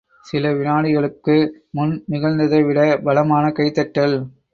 சில விநாடிகளுக்கு முன் நிகழ்ந்ததைவிட பலமான கைதட்டல்.